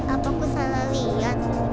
apa ku salah liat